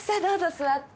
座って。